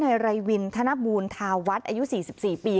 ไรวินธนบูรทาวัฒน์อายุ๔๔ปี